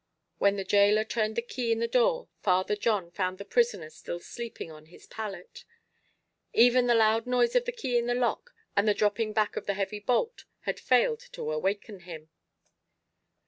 When the gaoler turned the key in the door, Father John found the prisoner still sleeping on his pallet. Even the loud noise of the key in the lock, and the dropping back of the heavy bolt had failed to awaken him.